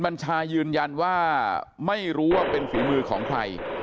บัญชายืนยันว่าไม่รู้ว่าเป็นฝีมือของใคร